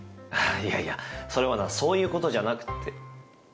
いやいやそれはなそういうことじゃなくって。